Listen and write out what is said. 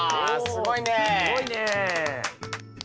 すごいね！